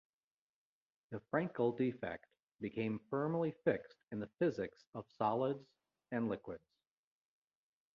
The Frenkel defect became firmly fixed in the physics of solids and liquids.